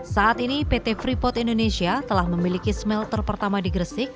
saat ini pt freeport indonesia telah memiliki smelter pertama di gresik